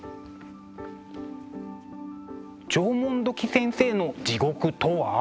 縄文土器先生の地獄とは？